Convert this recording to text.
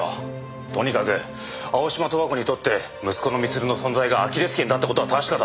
とにかく青嶋都和子にとって息子の光留の存在がアキレス腱だって事は確かだ。